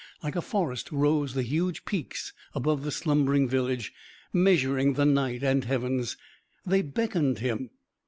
Like a forest rose the huge peaks above the slumbering village, measuring the night and heavens. They beckoned him.